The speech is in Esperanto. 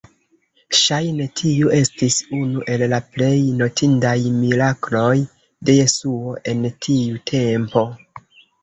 Ŝajne, tiu estis unu el la plej notindaj mirakloj de Jesuo en tiu tempo.